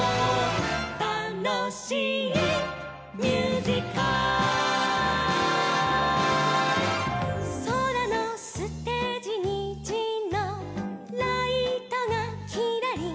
「たのしいミュージカル」「そらのステージにじのライトがきらりん」